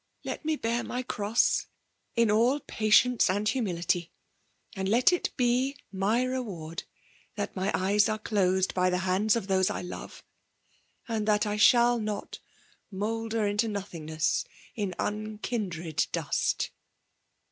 Let me hewt my all patience and humility; aad let it he mgr reward that my ^es are dosed by the hands of those I love, and that I shall net moiddar into nodiingness in unkindred dust"